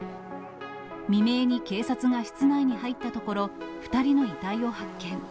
未明に警察が室内に入ったところ、２人の遺体を発見。